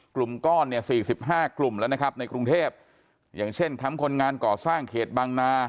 กลุ่มก้อนเนี่ย๔๕กลุ่มแล้วนะครับในกรุงเทพอย่างเช่นแคมป์คนงานก่อสร้างเขตบางนา